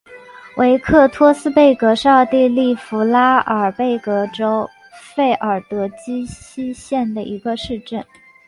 维克托斯贝格是奥地利福拉尔贝格州费尔德基希县的一个市镇。